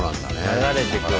流れてくる。